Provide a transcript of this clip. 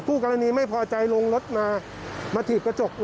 เพื่อไม่ให้ผมออก